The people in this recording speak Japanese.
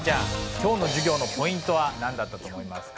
今日の授業のポイントは何だったと思いますか？